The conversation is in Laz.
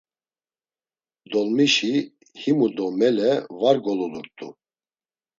Dolmişi himu do mele va golulurt̆u.